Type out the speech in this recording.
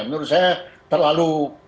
menurut saya terlalu